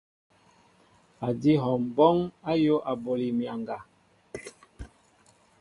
Adi hɔŋɓɔɔŋ ayōō aɓoli myaŋga.